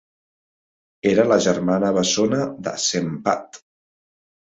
Era la germana bessona de Sempad.